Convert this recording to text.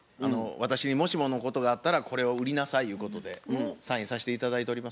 私にもしものことがあったらこれを売りなさいゆうことでサインさして頂いております。